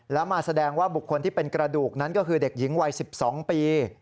แล้วมาแสดงว่าบุคคลที่เป็นกระดูกนั้นก็คือเด็กหญิงวัย๑๒ปี